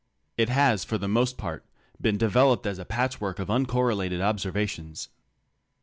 It has for the most part been developed as a patchwork of uncor related observations.